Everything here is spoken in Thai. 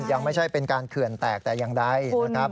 ยังไม่ใช่เป็นการเขื่อนแตกแต่อย่างใดนะครับ